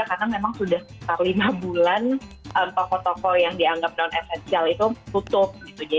karena memang sudah setelah lima bulan toko toko yang dianggap non essential itu tutup